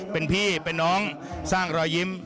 เป็นพี่เป็นน้องสร้างรอยยิ้ม